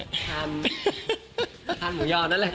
ทานหมูยอดนั่นแหละค่ะ